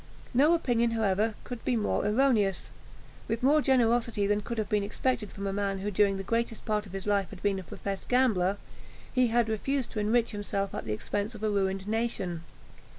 No opinion, however, could be more erroneous. With more generosity than could have been expected from a man who during the greatest part of his life had been a professed gambler, he had refused to enrich himself at the expense of a ruined nation.